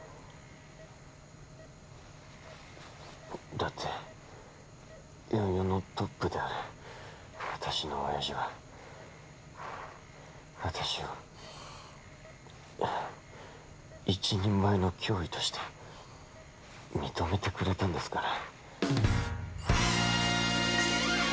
だって４４のトップである私のおやじは私を一人前の脅威として認めてくれたんですから。